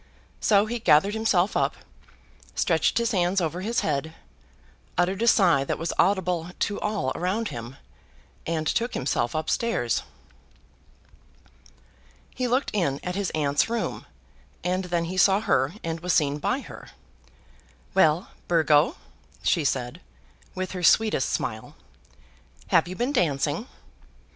So he gathered himself up, stretched his hands over his head, uttered a sigh that was audible to all around him, and took himself up stairs. He looked in at his aunt's room, and then he saw her and was seen by her. "Well, Burgo," she said, with her sweetest smile, "have you been dancing?"